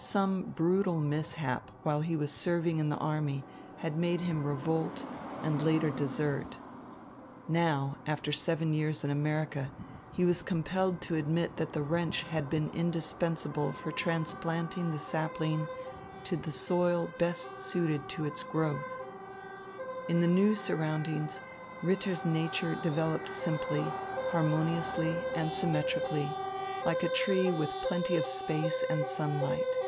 Some brutal mishap while he was serving in the army had made him revolt and later desert. Now, after seven years in America, he was compelled to admit that the wrench had been indispensable for transplanting the sapling to the soil best suited to its growth. In the new surroundings, Ritter's nature developed simply, harmoniously and symmetrically, like a tree with plenty of space and sunlight.